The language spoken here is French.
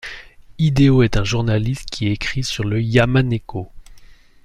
Hideo est un journaliste qui écrit sur le Yamaneko.